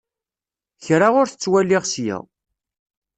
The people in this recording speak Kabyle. Kra ur t-ttwaliɣ ssya.